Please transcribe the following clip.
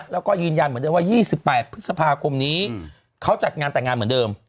แล้วก็ยืนยันเหมือนเดิมว่า๒๘พฤษภาคมนี้เขาจัดงานแต่งงานเหมือนเดิม